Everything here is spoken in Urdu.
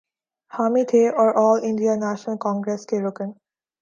حامی تھے اور آل انڈیا نیشنل کانگریس کے رکن